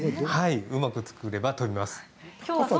うまく作れば飛びます。